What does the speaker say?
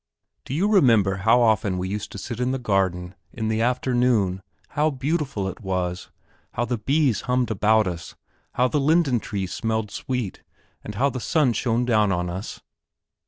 Do you remember how often we used to sit in the garden, in the afternoon, how beautiful it was, how the bees hummed about us, how the linden trees smelled sweet, and how the sun shone down on us?"